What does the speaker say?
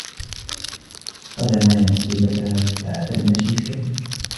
قدمايا أصيبتا بعد المشى الكثير.